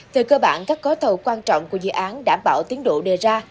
từ cơ bản các có thầu quan trọng của dự án đảm bảo tiến độ đề ra